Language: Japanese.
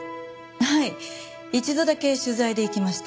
はい一度だけ取材で行きました。